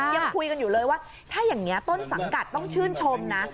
ยังคุยกันอยู่เลยว่าถ้าอย่างนี้ต้นสังกัดต้องชื่นชมนะ